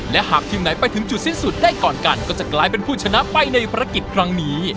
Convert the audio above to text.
และหากทีมไหนไปถึงจุดสิ้นสุดได้ก่อนกันก็จะกลายเป็นผู้ชนะไปในภารกิจครั้งนี้